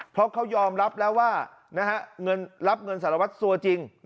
เพราะเขายอมรับแล้วว่าเงินรับเงินสารวัตรสัวจริง